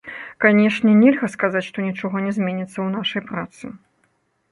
Канешне, нельга сказаць, што нічога не зменіцца ў нашай працы.